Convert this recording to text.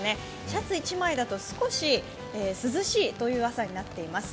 シャツ１枚だと少し涼しいという朝になっています。